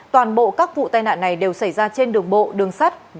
toàn bộ các vụ tai nạn này đều xảy ra trên đường bộ đường sắt